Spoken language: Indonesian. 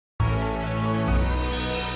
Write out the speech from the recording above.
yaudah sering hati pegangin bawa kesini